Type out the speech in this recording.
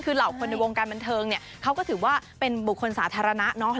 คือเหล่าคนในวงการบันเทิงเนี่ยเขาก็ถือว่าเป็นบุคคลสาธารณะเนาะ